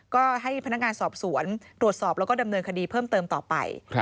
ก็ให้พนักงานสอบสวนตรวจสอบแล้วก็ดำเนินคดีเพิ่มเติมต่อไป